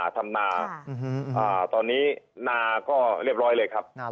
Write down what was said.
ทำนาตอนนี้นาก็เรียบร้อยเลยครับ